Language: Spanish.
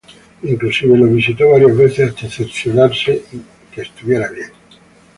Inclusive lo visitó varias veces hasta cerciorarse que estuviera bien.